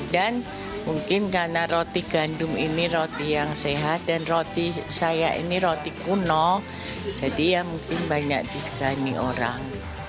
mungkin karena roti gandum ini roti yang sehat dan roti saya ini roti kuno jadi yang mungkin banyak disegani orang